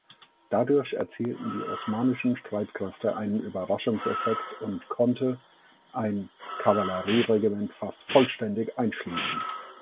Dadurch erzielten die osmanischen Streitkräfte einen Überraschungseffekt und konnte ein Kavallerieregiment fast vollständig einschließen.